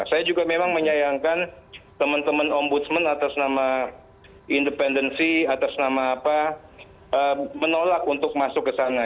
saya juga memang menyayangkan teman teman ombudsman atas nama independensi atas nama apa menolak untuk masuk ke sana